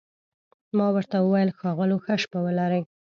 ما ورته وویل: ښاغلو، ښه شپه ولرئ.